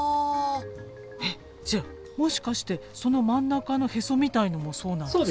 えっじゃあもしかしてその真ん中のへそみたいのもそうなんですか？